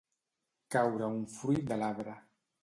Caure un fruit de l'arbre.